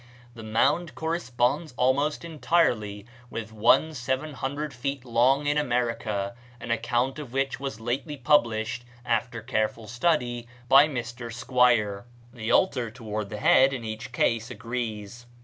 This mound corresponds almost entirely with one 700 feet long in America, an account of which was lately published, after careful survey, by Mr. Squier. The altar toward the head in each case agrees.